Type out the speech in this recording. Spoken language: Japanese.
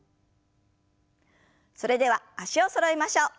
それでは脚をそろえましょう。